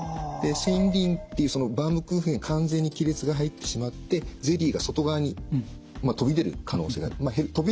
線維輪っていうそのバームクーヘンに完全に亀裂が入ってしまってゼリーが外側に飛び出る可能性がある。